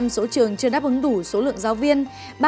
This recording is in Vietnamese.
năm mươi năm số trường chưa đáp ứng đủ số lượng giáo viên